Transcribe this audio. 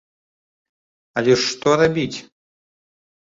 Але ж што рабіць?